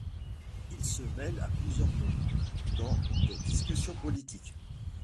Il se mêle à plusieurs moments dans des discussions politiques.